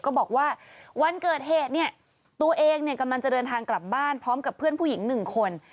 บอกว่าวันเกิดเหตุเนี่ยตัวเองกำลังจะเดินทางกลับบ้านพร้อมกับเพื่อนผู้หญิง๑คน